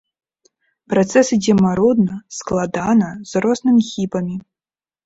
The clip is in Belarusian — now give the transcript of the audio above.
Працэс ідзе марудна, складана, з рознымі хібамі.